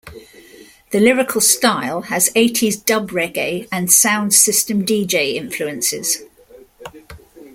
The lyrical style has eighties dub reggae and sound system deejay influences.